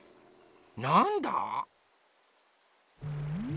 なんだ？